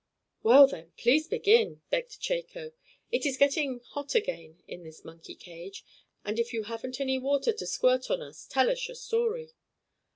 "Well, then, please begin!" begged Chako. "It is getting hot again in this monkey cage, and if you haven't any water to squirt on us tell us your story."